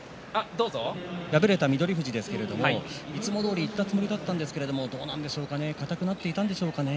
敗れた翠富士ですけれどもいつもどおりいったつもりだったんですけれどもどうだったんでしょうかね。